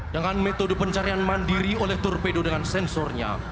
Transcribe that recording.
dengan metode pencarian mandiri oleh torpedo dengan sensornya